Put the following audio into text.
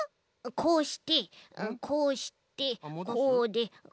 こうしてこうしてこうでこうして。